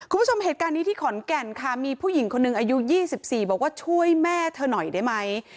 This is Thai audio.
คุณผู้ชมเหตุการณ์นี้ที่ขอนแก่นค่ะมีผู้หญิงคนหนึ่งอายุ๒๔บอกว่าช่วยแม่เธอหน่อยได้ไหม